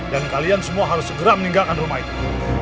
dan kalian semua harus segera meninggalkan rumah itu